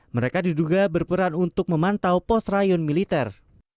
mereka diduga berperan untuk memantau pos rayon militer